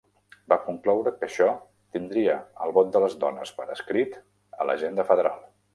Va concloure que això tindria el vot de les dones per escrit a l'agenda federal.